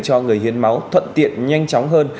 cho người hiên máu thuận tiện nhanh chóng hơn